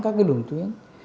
các cái lường tuyến